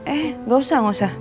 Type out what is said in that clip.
eh gak usah gak usah